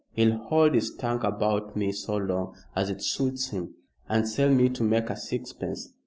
He'll hold his tongue about me so long as it suits him, and sell me to make a sixpence.